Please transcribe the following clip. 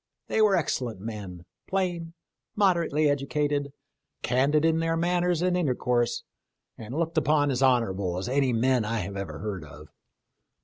They were excellent men, plain, moderately educated, candid in their manners and intercourse, and looked upon as honorable as any men I have ever heard of.